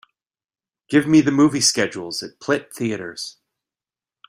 Give me the movie schedules at Plitt Theatres